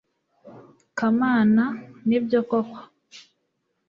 kamana, nibyo koko